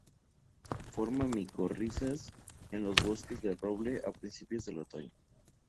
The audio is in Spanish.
Forma micorrizas en los bosques de roble a principios del otoño.